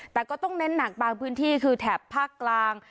แต่ก็ต้องเน้นหนักบางพื้นที่คือแถบภาคกลาง